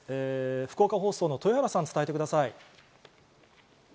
福岡放送の豊原さん、伝えてください。